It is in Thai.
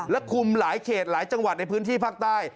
และคุมหลายเขตหลายจังหวัดในพื้นที่ภาคใต้